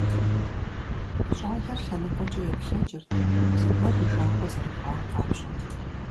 Щӏалэр лъэныкъуэкӏэ еплъэкӏырт, зыгуэр и жагъуэ зэрыхъуар къапщӀэу.